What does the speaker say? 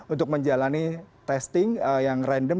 untuk menjalani testing yang random